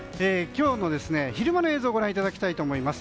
今日の昼間の映像をご覧いただきたいと思います。